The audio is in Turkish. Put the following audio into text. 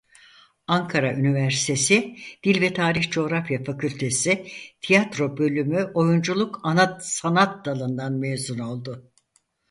Ankara Üniversitesi Dil ve Tarih-Coğrafya Fakültesi Tiyatro Bölümü Oyunculuk Ana Sanat Dalından mezun oldu.